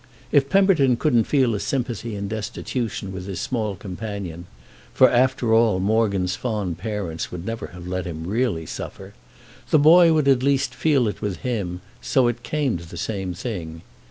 If Pemberton couldn't feel a sympathy in destitution with his small companion—for after all Morgan's fond parents would never have let him really suffer—the boy would at least feel it with him, so it came to the same thing.